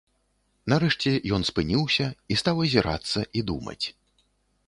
Нарэшце ён спыніўся і стаў азірацца і думаць.